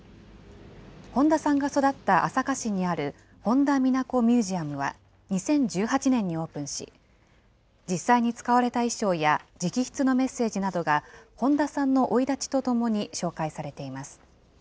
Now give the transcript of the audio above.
本田さんが育った朝霞市にある本田美奈子．ミュージアムは、２０１８年にオープンし、実際に使われた衣装や直筆のメッセージなどが、本田さんの生い立ちとともに紹介されています。